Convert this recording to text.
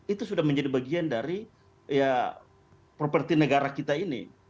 itu sudah menjadi bagian dari ya properti negara kita ini